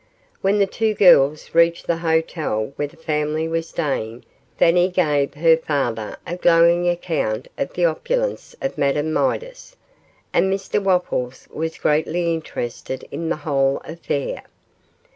When the two girls reached the hotel where the family was staying, Fanny gave her father a glowing account of the opulence of Madame Midas, and Mr Wopples was greatly interested in the whole affair.